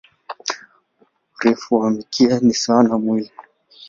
Urefu wa mkia ni sawa na mwili.